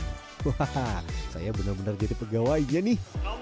waaaah saya bener bener jadi pegawainya nih